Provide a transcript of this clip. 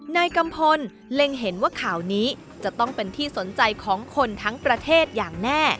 นายกัมพลเล็งเห็นว่าข่าวนี้จะต้องเป็นที่สนใจของคนทั้งประเทศอย่างแน่